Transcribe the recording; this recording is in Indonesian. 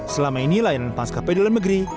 selama ini layanan maskapai dalam negeri